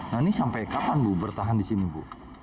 nah ini sampai kapan bu bertahan di sini bu